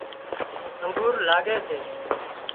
انگورلاڳي سي